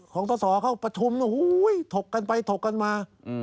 ของตัวส่อเข้าประชุมโห้ยถกกันไปถกกันมา